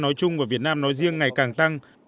nói chung và việt nam nói riêng ngày càng tăng